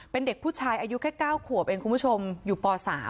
เป็นเด็กผู้ชายอายุแค่๙ขวบเองคุณผู้ชมอยู่ป๓